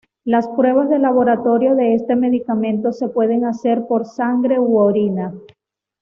Las pruebas de laboratorio de este medicamento se pueden hacer por sangre u orina.